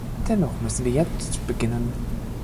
Dennoch müssen wir jetzt beginnen.